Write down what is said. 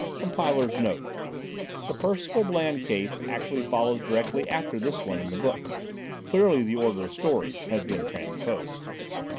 [Compiler's note: the Percival Bland case actually follows directly after this one in the book: clearly the order of stories has been transposed.